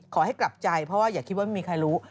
กลับใจเพราะว่าอย่าคิดว่าไม่มีใครรู้